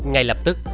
ngay lập tức